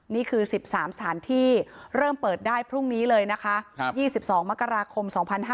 นี่คือ๑๓สถานที่เริ่มเปิดได้พรุ่งนี้เลยนะคะ๒๒มกราคม๒๕๕๙